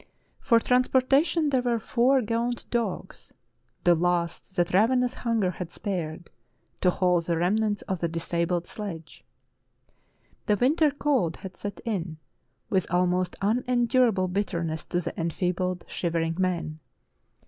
For transportation there were four gaunt dogs — the last that ravenous hunger had spared — to haul the 362 True Tales of Arctic Heroism remnants of a disabled sledge. The winter cold had set in, with almost unendurable bitterness to the en feebled, shivering men.